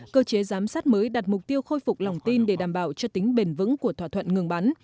cơ chế giám sát mới đặt mục tiêu khôi phục lòng tin để đảm bảo cho tính bền vững của thỏa thuận ngừng bắn